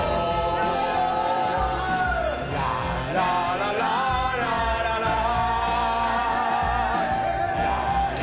ラララララララ